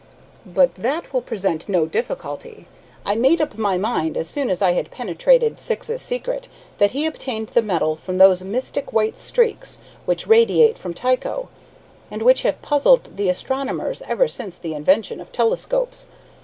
But that will present no difficulty. I made up my mind as soon as I had penetrated Syx's secret that he obtained the metal from those mystic white streaks which radiate from Tycho, and which have puzzled the astronomers ever since the invention of telescopes.